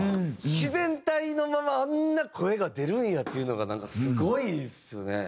自然体のままあんな声が出るんやっていうのがなんかすごいですよね。